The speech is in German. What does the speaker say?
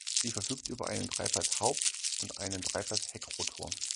Sie verfügt über einen Dreiblatt-Haupt- und einen Dreiblatt-Heckrotor.